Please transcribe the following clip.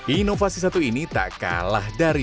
inovasi satu ini tak kalah dari